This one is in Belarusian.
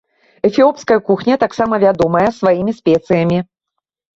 Эфіопская кухня таксама вядомая сваімі спецыямі.